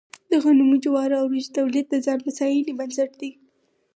د غنمو، جوارو او وريجو تولید د ځان بسیاینې بنسټ دی.